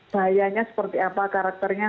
bahayanya seperti apa karakternya